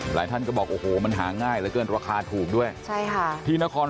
หลายท่านก็บอกโอ้โหมันหาง่ายแล้วเกิดราคาถูกด้วยใช่ค่ะ